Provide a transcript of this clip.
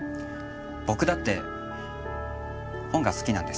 僕だって本が好きなんです。